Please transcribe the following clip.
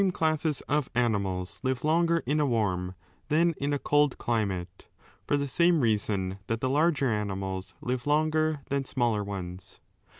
classes of animals live longer in a warm than in a cold climate, for the same reason that the larger animals 8 live longer than smaller ones.